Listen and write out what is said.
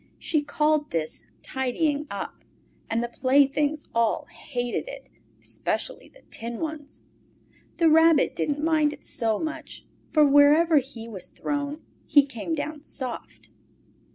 She called this "tidying up," and the playthings all hated it, especially the tin ones. The Rabbit didn't mind it so much, for wherever he was thrown he came down soft.